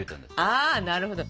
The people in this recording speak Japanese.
ああなるほど！